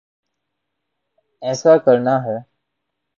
ایسا کرنا ہے۔